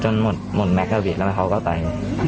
จนหมดหมดแม็กซ์ก็เบียดแล้วเขาก็ไป